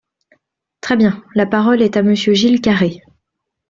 Très bien ! La parole est à Monsieur Gilles Carrez.